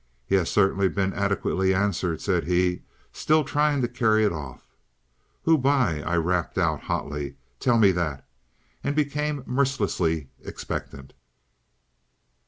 "He has certainly been adequately answered," said he, still trying to carry it off. "Who by?" I rapped out hotly. "Tell me that!" and became mercilessly expectant.